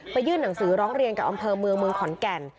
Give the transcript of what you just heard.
ยื่นหนังสือร้องเรียนกับอำเภอเมืองเมืองขอนแก่น